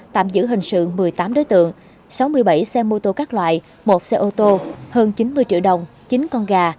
tạm giữ hình sự một mươi tám đối tượng sáu mươi bảy xe mô tô các loại một xe ô tô hơn chín mươi triệu đồng chín con gà